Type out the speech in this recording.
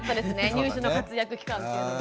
乳歯の活躍期間っていうのが。